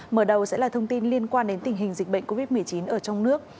mở đầu sẽ là thông tin liên quan đến tình hình dịch bệnh covid một mươi chín ở trong nước